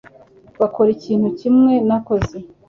bakora ikintu kimwe nakoze